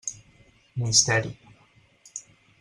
Misteri.